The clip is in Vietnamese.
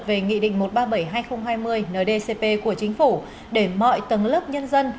về nghị định một trăm ba mươi bảy hai nghìn hai mươi ndcp của chính phủ để mọi tầng lớp nhân dân